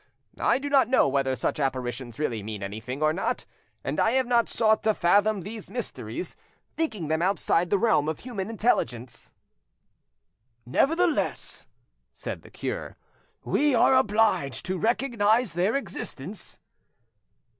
I do not know whether such apparitions really mean anything or not, and I have not sought to fathom these mysteries, thinking them outside the realm of human intelligence." "Nevertheless," said the cure, "we are obliged to recognise their existence."